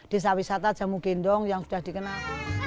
desa wisata jamu gendong yang sudah dikenal